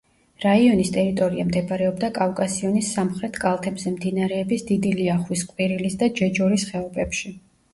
რაიონის ტერიტორია მდებარეობდა კავკასიონის სამხრეთ კალთებზე მდინარეების დიდი ლიახვის, ყვირილის და ჯეჯორის ხეობებში.